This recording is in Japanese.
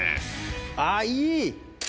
ああ、いい！